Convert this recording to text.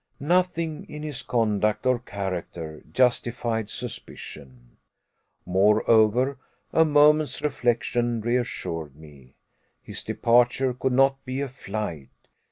Nothing in his conduct or character justified suspicion. Moreover, a moment's reflection reassured me. His departure could not be a flight.